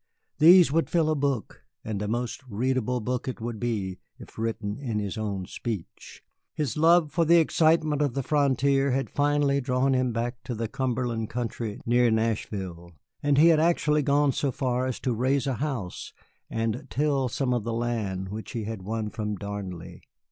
These would fill a book, and a most readable book it would be if written in his own speech. His love for the excitement of the frontier had finally drawn him back to the Cumberland country near Nashville, and he had actually gone so far as to raise a house and till some of the land which he had won from Darnley.